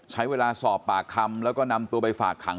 ใช้เวลาสอบปากคำแล้วก็นำตัวไปฝากขัง